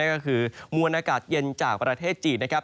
ก็คือมวลอากาศเย็นจากประเทศจีนนะครับ